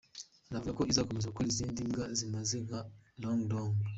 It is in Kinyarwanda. Inavuga ako izakomeza gukora izindi mbwa zimeze nka Longlong.